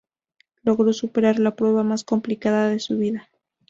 Logró superar la prueba más complicada de su vida.